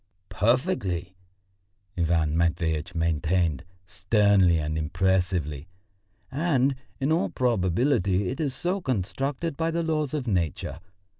"Perfectly," Ivan Matveitch maintained sternly and impressively. "And in all probability, it is so constructed by the laws of Nature.